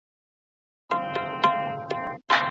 که د څښاک پاکي اوبه برابرې سي، نو ښاریان په کولرا نه اخته کیږي.